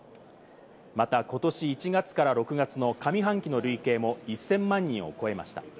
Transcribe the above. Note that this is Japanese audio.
また、ことし１月から６月の上半期の累計も１０００万人を超えました。